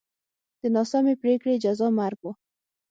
د ناسمې پرېکړې جزا مرګ و.